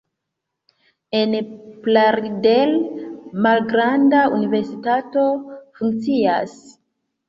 En Plaridel malgranda universitato funkcias.